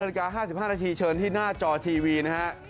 รายการ๕๕นาทีเชิญที่หน้าจอทีวีนะครับ